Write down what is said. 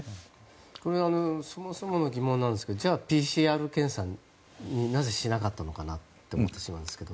そもそもの疑問なんですけどじゃあＰＣＲ検査なぜしなかったのかなって思ってしまうんですけど。